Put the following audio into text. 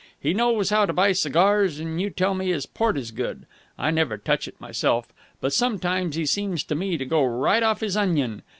He knows how to buy cigars, and you tell me his port is good I never touch it myself but sometimes he seems to me to go right off his onion.